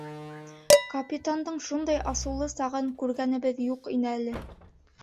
Капитандың шундай асыулы сағын күргәнебеҙ юҡ ине әле.